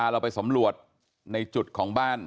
หลวดในจุดของบ้าน